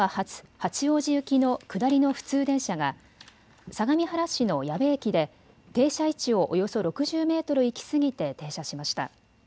八王子行きの下りの普通電車が相模原市の矢部駅で停車位置をおよそ６０メートル行き過ぎて停車しました。